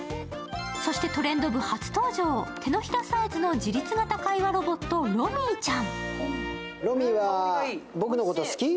そして「トレンド部」初登場、手のひらサイズの自律型会話ロボット、ロミィちゃん。